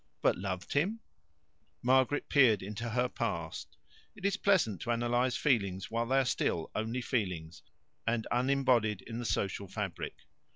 "But loved him?" Margaret peered into her past. It is pleasant to analyze feelings while they are still only feelings, and unembodied in the social fabric.